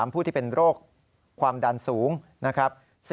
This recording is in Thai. ผู้ที่เป็นโรคความดันสูงนะครับ